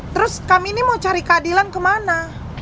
terus kami ini mau cari keadilan kemana